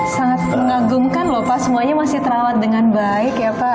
sangat mengagumkan lho pak semuanya masih terawat dengan baik ya pak